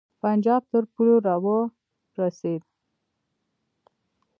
پنجاب تر پولو را ورسېدی.